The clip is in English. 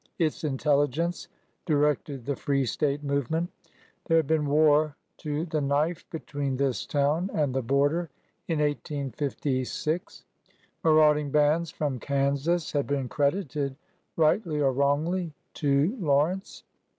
Its intelligence directed . the free State move ment. There had been war to the knife between this town and the border in 1856. Marauding bands from Kansas had been credited, rightly or wrongly, to Lawrence.